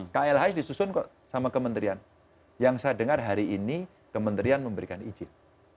klh disusun sama kementerian yang saya dengar hari ini kementerian memberikan izin